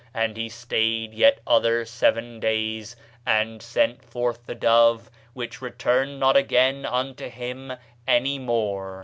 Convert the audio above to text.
And he stayed yet other seven days, and sent forth the dove, which returned not again unto him any more.